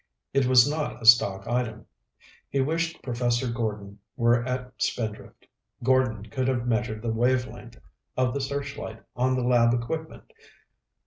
It was not a stock item. He wished Professor Gordon were at Spindrift. Gordon could have measured the wave length of the searchlight on the lab equipment.